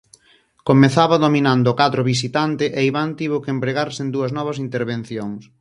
Comezaba dominando o cadro visitante e Iván tivo que empregarse en dúas novas intervencións.